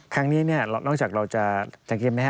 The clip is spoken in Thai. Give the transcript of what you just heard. ครั้งนี้นอกจากเราจะจังกินแม้